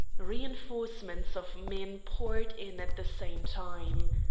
Reinforcements of men poured in at the same time.